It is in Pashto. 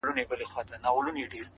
لا تر څو به دي قسمت په غشیو ولي؛